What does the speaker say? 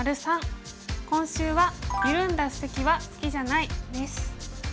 今週は「ゆるんだ布石は好きじゃない」です。